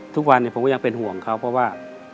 ทุกวันผมก็ยังเป็นห่วงเขาเพราะว่า